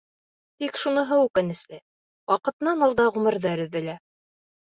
Тик шуныһы үкенесле: ваҡытынан алда ғүмерҙәр өҙөлә.